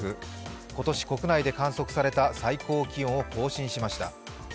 今年、国内で観測された最高気温を更新しました。